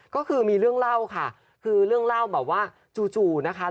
ก็คือมีเรื่องเล่าค่ะคือเรื่องเล่าแบบว่าจู่นะคะ